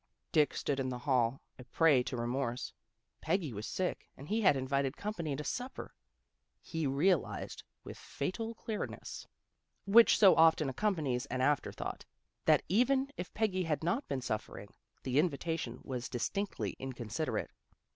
Dick stood in the hall, a prey to remorse. Peggy was sick, and he had invited company to supper. He realized, with the fatal clearness, 226 THE GIRLS OF FRIENDLY TERRACE which so often accompanies an afterthought, that even if Peggy had not been suffering, the invitation was distinctly inconsiderate.